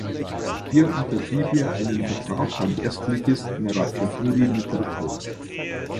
Hier unterschrieb er einen Vertrag beim Erstligisten Ratchaburi Mitr Phol.